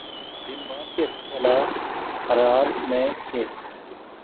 زمباب کے خلاف ہرار میں کھیل